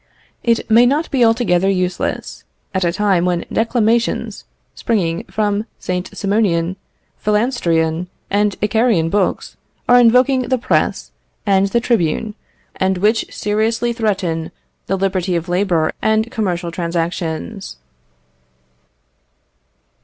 It may not be altogether useless, at a time when declamations, springing from St. Simonian, Phalansterian, and Icarian books, are invoking the press and the tribune, and which seriously threaten the liberty of labour and commercial transactions.